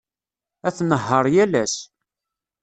Ad tnehheṛ yal ass.